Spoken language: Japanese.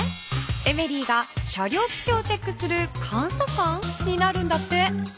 エメリーが車両きちをチェックするかんさかん？になるんだって。